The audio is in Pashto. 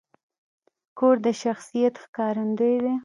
کور د شخصیت ښکارندوی دی.